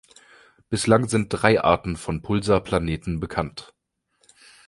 Bislang sind drei Arten von Pulsar-Planeten bekannt.